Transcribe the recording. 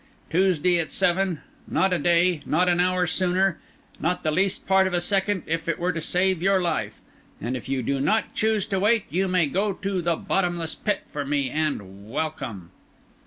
Tuesday, at seven; not a day, not an hour sooner, not the least part of a second, if it were to save your life. And if you do not choose to wait, you may go to the bottomless pit for me, and welcome."